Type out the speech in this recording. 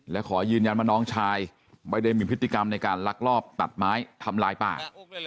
และขอยืนยันว่าน้องชายไม่ได้มีพฤติกรรมในการลักลอบตัดไม้ทำลายป่า